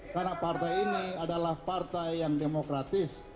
karena partai ini adalah partai yang demokratis